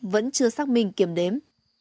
vẫn chưa xác minh kiểm đếm